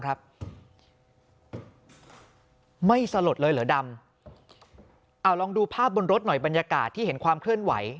ไม่สลดเลยเหรอดำเอาลองดูภาพบนรถหน่อยบรรยากาศที่เห็นความเคลื่อนไหว